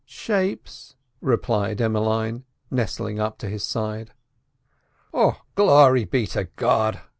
"Shapes," replied Emmeline, nestling up to his side. "Oh, Glory be to God!"